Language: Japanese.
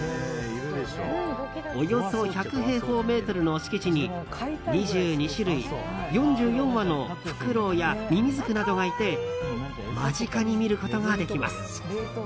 およそ１００平方メートルの敷地に２２種類、４４羽のフクロウやミミズクなどがいて間近に見ることができます。